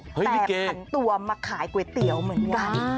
แต่ผันตัวมาขายก๋วยเตี๋ยวเหมือนกัน